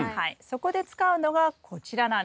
そこで使うのがこちらなんです。